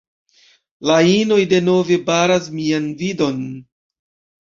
La inoj denove baras mian vidon